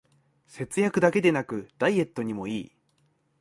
節約だけでなくダイエットにもいい